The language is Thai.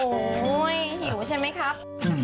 โอ้โหหิวใช่ไหมครับ